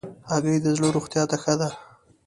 هګۍ د زړه روغتیا ته ښه ده.